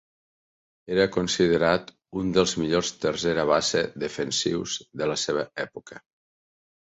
Era considerat un dels millors tercera base defensius de la seva època.